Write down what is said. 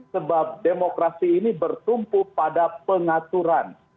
sebab demokrasi ini bertumpu pada pengaturan